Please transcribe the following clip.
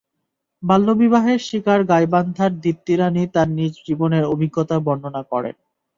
বাল্যবিবাহের শিকার গাইবান্ধার দীপ্তি রানী তাঁর নিজ জীবনের অভিজ্ঞতা বর্ণনা করেন।